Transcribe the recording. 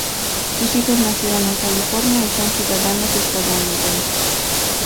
Sus hijos nacieron en California y son ciudadanos estadounidenses.